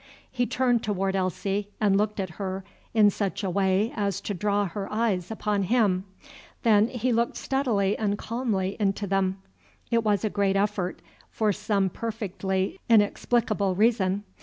He turned toward Elsie and looked at her in such a way as to draw her eyes upon him. Then he looked steadily and calmly into them. It was a great effort, for some perfectly inexplicable reason.